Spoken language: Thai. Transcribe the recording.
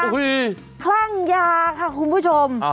คลั่งยาค่ะคุณผู้ชม